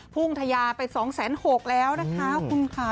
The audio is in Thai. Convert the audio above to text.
พุ่งทะยาไป๒๖๐๐แล้วนะคะคุณค่ะ